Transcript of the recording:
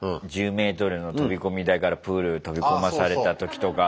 １０ｍの飛び込み台からプールへ飛び込まされた時とか。